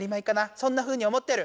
そんなふうに思ってる。